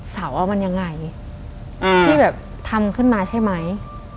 เสาเอามันยังไงอ่าที่แบบคืนมาใช่ไหม